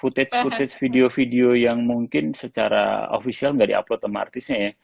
footage footage video video yang mungkin secara ofisial nggak di upload sama artisnya ya